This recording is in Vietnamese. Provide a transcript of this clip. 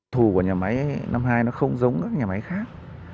thù của nhà máy năm hai nó không giống các nhà máy khác